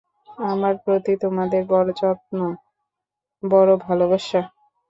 আমার প্রতি তোমাদের বড়ো যত্ন, বড়ো ভালোবাসা।